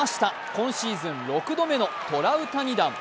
今シーズン６度目のトラウタニ弾。